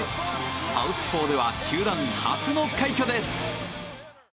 サウスポーでは球団初の快挙です。